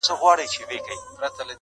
گرانه دا اوس ستا د ځوانۍ په خاطر.